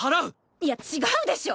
いや違うでしょ！